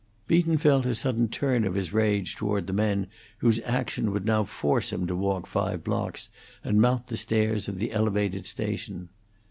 Beaton felt a sudden turn of his rage toward the men whose action would now force him to walk five blocks and mount the stairs of the Elevated station.